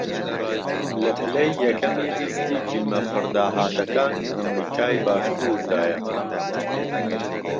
لە پلەی یەکەمی لیستی فیلمە پڕداهاتەکانی ئەمریکای باکووردایە